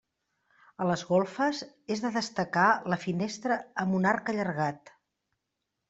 A les golfes és de destacar la finestra amb un arc allargat.